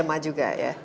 bilema juga ya